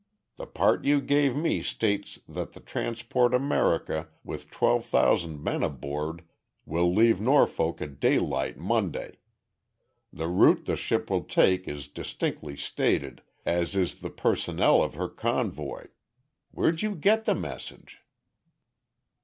The part you gave me states that the transport America, with twelve thousand men aboard, will leave Norfolk at daylight Monday. The route the ship will take is distinctly stated, as is the personnel of her convoy. Where'd you get the message?"